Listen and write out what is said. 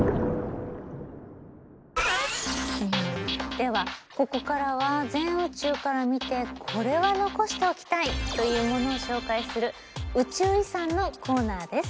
ではここからは全宇宙から見てこれは残しておきたいというものを紹介する宇宙遺産のコーナーです。